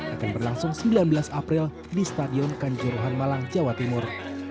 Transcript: akan berlangsung sembilan belas april di stadion kanjuruhan malang jawa timur